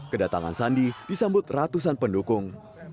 kedatangan sandi disambut ratusan pendukung